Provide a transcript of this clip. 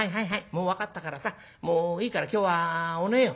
もう分かったからさもういいから今日はお寝よ。